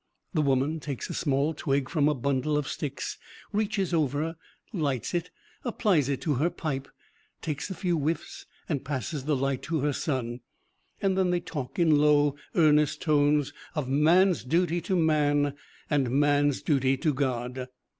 The woman takes a small twig from a bundle of sticks, reaches over, lights it, applies it to her pipe, takes a few whiffs and passes the light to her son. Then they talk in low, earnest tones of man's duty to man and man's duty to God.